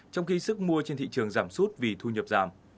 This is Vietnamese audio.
trong khi sức mua trên thị trường giảm sút vì thu nhập giảm